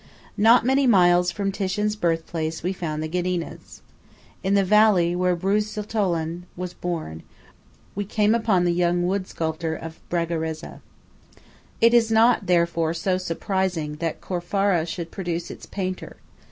Not many miles from Titian's birthplace we found the Ghedinas. In the valley where Brusetolon was born, we came upon the young wood sculptor of Bragarezza. It is not therefore so surprising that Corfara should produce its painter.